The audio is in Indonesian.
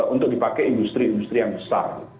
untuk dipakai industri industri yang besar